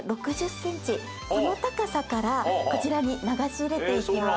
この高さからこちらに流し入れていきます。